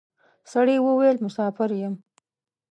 سړي وويل: مساپر یم.